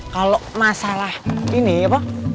kalau masalah ini apa